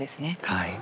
はい。